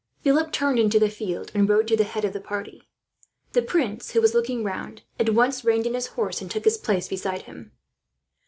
Philip turned into the field, and rode to the head of the party. The prince, who was looking round, at once reined in his horse and took his place beside him.